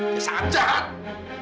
dia sangat jahat